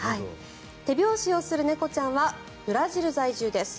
手拍子をする猫ちゃんはブラジル在住です。